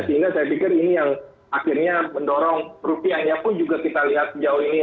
sehingga saya pikir ini yang akhirnya mendorong rupiahnya pun juga kita lihat sejauh ini